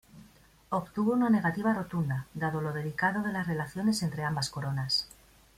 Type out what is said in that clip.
Obtuvo una negativa rotunda, dado lo delicado de las relaciones entre ambas coronas.